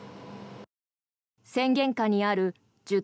宣言下にある１０